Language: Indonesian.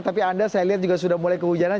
tapi anda saya lihat juga sudah mulai kehujanan